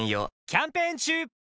キャンペーン中！